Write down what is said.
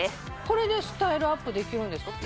これでスタイルアップできるんですか？